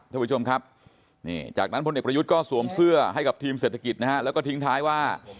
ท่านผู้ชมครับนี่จากนั้นพลเอกประยุทธ์ก็สวมเสื้อให้กับทีมเศรษฐกิจนะฮะแล้วก็ทิ้งท้ายว่า